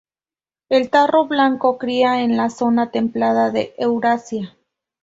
El tarro blanco cría en la zona templada de Eurasia.